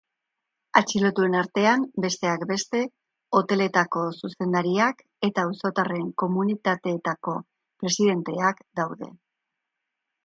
Atxilotuen artean, besteak beste, hoteletako zuzendariak eta auzotarren komunitateetako presidenteak daude.